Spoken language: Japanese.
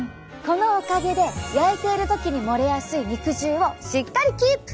このおかげで焼いている時に漏れやすい肉汁をしっかりキープ！